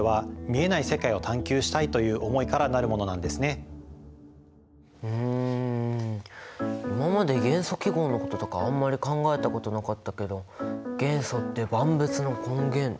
それはうん今まで元素記号のこととかあんまり考えたことなかったけど元素って万物の根源だもんね。